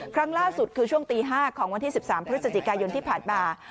ครั้งล่าสุดคือช่วงตี๕ของวันที่๑๓พฤศจิกายนที่ผ่านมา